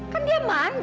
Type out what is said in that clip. kan dia manggil